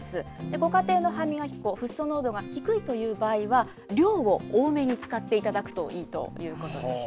ご家庭の歯磨き粉、フッ素濃度が低いという場合は、量を多めに使っていただくといいということでした。